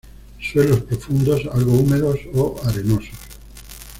Suelos profundos algo húmedos o arenosos.